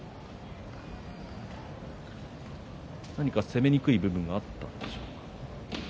攻めにくい部分があったんでしょうか。